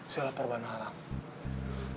saya lapar bhanu alam